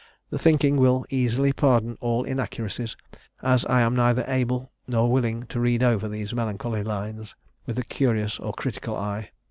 The thinking will easily pardon all inaccuracies, as I am neither able nor willing to read over these melancholy lines with a curious or critical eye.